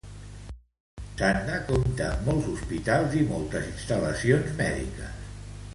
Sanda compta amb molts hospitals i moltes instal·lacions mèdiques.